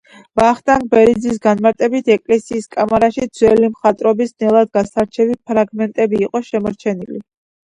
ვახტანგ ბერიძის განმარტებით, ეკლესიის კამარაში ძველი მხატვრობის ძნელად გასარჩევი ფრაგმენტები იყო შემორჩენილი.